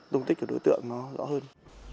đối tượng rõ hơn